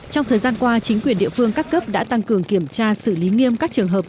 trong thời gian qua chính quyền địa phương các cấp đã tăng cường kiểm tra xử lý nghiêm các trường hợp